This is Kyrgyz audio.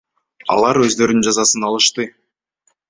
Алар өздөрүнүн жазасын алышты.